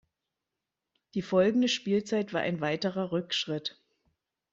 Die folgende Spielzeit war ein weiterer Rückschritt.